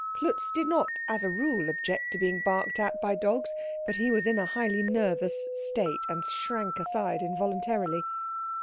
Klutz did not as a rule object to being barked at by dogs, but he was in a highly nervous state, and shrank aside involuntarily.